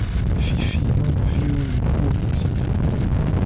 Fifi nyonuviwo le ko ngti.